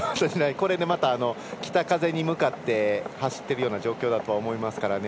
これで、また北風に向かって走っている状態だと思いますので。